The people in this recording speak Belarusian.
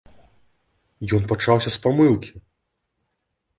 Ён пачаўся з памылкі!